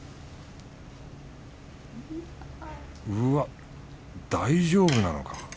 うわっ大丈夫なのか？